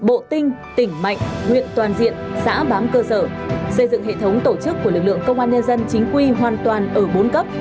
bộ tinh tỉnh mạnh huyện toàn diện xã bám cơ sở xây dựng hệ thống tổ chức của lực lượng công an nhân dân chính quy hoàn toàn ở bốn cấp